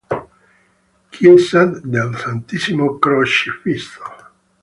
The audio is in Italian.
Chiesa del Santissimo Crocifisso